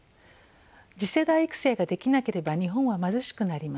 次世代育成ができなければ日本は貧しくなります。